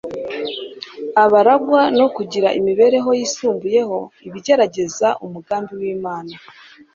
abarangwa no kugira imibereho yisumbuyeho ibegereza umugambi w'imana